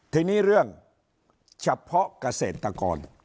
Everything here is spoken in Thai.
ทีนี้เรื่องเฉพาะเกษตรกร